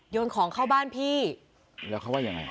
นของเข้าบ้านพี่แล้วเขาว่ายังไง